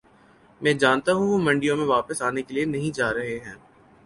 میں جانتا ہوں وہ منڈیوں میں واپس آنے کے لیے نہیں جا رہے ہیں